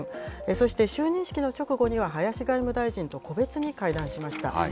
そして、就任式の直後には、林外務大臣と個別に会談しました。